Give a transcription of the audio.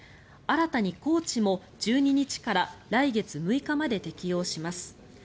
新たに高知も１２日から来月６日まで適用します。